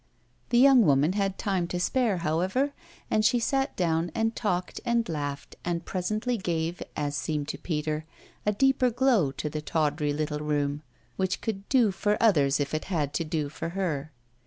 The young woman had time to spare, however, and she sat down and talked and laughed and presently gave, as seemed to Peter, a deeper glow to the tawdry little room, which could do for others if it had to do for her.